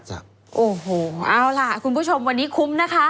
เอาล่ะคุณผู้ชมวันนี้คุ้ม